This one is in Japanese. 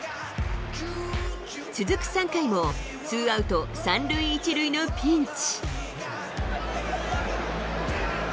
続く３回も、ツーアウト３塁１塁のピンチ。